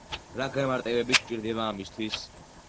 რა განმარტებები გვჭირდება ამისთვის?